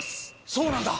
そうなんだ！